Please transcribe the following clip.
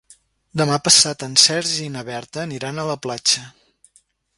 Demà passat en Sergi i na Berta aniran a la platja.